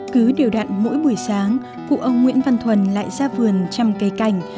cứ điều đạn mỗi buổi sáng cụ ông nguyễn văn thuần lại ra vườn chăm cây cảnh